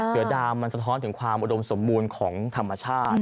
เสือดำมันสะท้อนถึงความอุดมสมบูรณ์ของธรรมชาติ